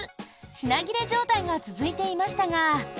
品切れ状態が続いていましたが。